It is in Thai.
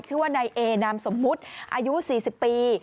ชื่อว่านายเอนามสมมุติอายุ๔๐ปี